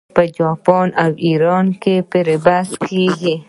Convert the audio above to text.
په جاپان او ایران کې پرې بحث کیږي.